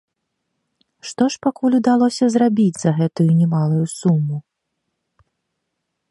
Што ж пакуль удалося зрабіць за гэтую немалую суму?